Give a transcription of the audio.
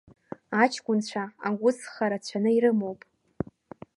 Аҷкәынцәа агәыҵха рацәаны ирымоуп.